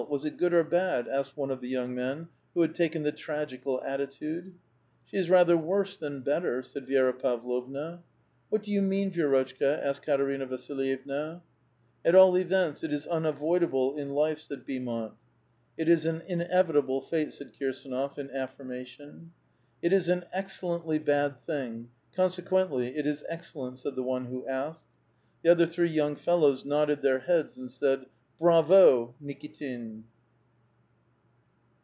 Was it good or bad ?" asked one of the young men, who had taken the tragical attitude. " She is rather worse than better," said Viera Pavlovna. *' What do you mean, Vi^rotchka?" asked Eaterina Vasil yevna. " At all events, it is unavoidable in life," said Beaumont. '* It is an inevitable fate," said KirsAnof , in affirmation. " It is an excellently bad thing ; consequently, it is excel lent," said the one who asked. The other three young fellows nodded their heads, and said, '' Bravo, Nikitin